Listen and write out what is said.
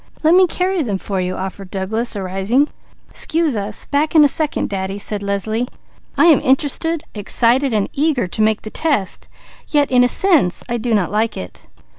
'" "Let me carry them for you," offered Douglas, arising. "'Scuse us. Back in a second, Daddy," said Leslie. "I am interested, excited and eager to make the test, yet in a sense I do not like it."